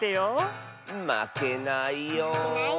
まけないよ。